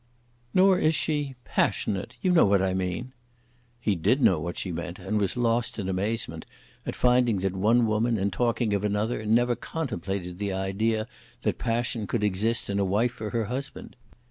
"Nor is she passionate. You know what I mean." He did know what she meant, and was lost in amazement at finding that one woman, in talking of another, never contemplated the idea that passion could exist in a wife for her husband.